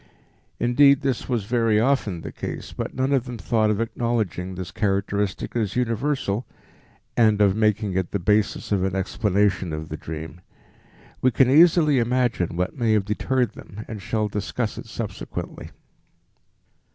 Indeed, this was very often the case, but none of them thought of acknowledging this characteristic as universal and of making it the basis of an explanation of the dream. We can easily imagine what may have deterred them and shall discuss it subsequently.